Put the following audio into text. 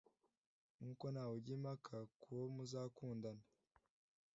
nk’uko ntawujya impaka kuwo muzakundana